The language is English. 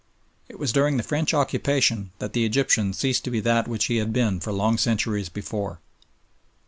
It was during the French occupation that the Egyptian ceased to be that which he had been for long centuries before.